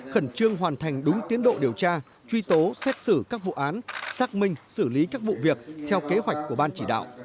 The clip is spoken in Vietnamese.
khẩn trương hoàn thành đúng tiến độ điều tra truy tố xét xử các vụ án xác minh xử lý các vụ việc theo kế hoạch của ban chỉ đạo